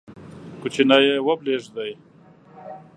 کوچنی یې وبلېږدی،